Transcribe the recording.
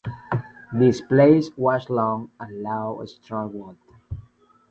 This place was long a Lao stronghold.